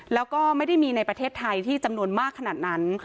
แล้วก็ไม่ได้มีในประเทศไทยที่จำนวนมากขนาดนั้น